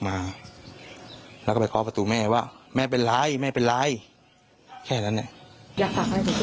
มาแล้วก็ไปก๊อณ์พอตัวแม่ว่าแม่เป็นไรแม่เป็นไรแค่แล้ว